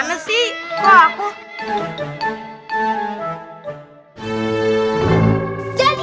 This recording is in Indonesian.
aduh aduh aduh